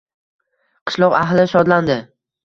Qishloq ahli shodlandi.